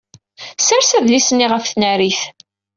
Sserseɣ adlis-nni ɣef tnarit.